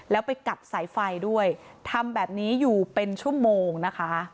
แล้วไปกัดสายไฟด้วยทำแบบนี้อยู่เป็นชั่วโมงนะคะ